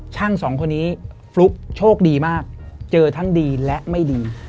สองคนนี้ฟลุ๊กโชคดีมากเจอทั้งดีและไม่ดี